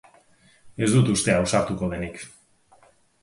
Ez dut uste ausartuko denik.